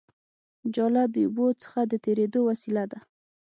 جاله د اوبو څخه د تېرېدو وسیله ده